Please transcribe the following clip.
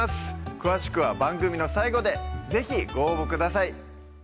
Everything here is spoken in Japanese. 詳しくは番組の最後で是非ご応募ください